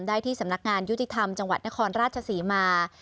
ได้ที่สำนักงานยุติธรรมจังหวัดนครราชศรีมา